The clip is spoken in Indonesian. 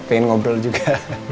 pengen ngobrol juga